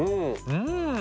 うん。